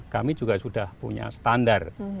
kami juga sudah punya standar